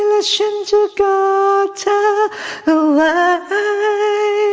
และฉันจะกอดเธอเอาไว้